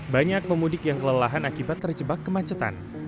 banyak pemudik yang kelelahan akibat terjebak kemacetan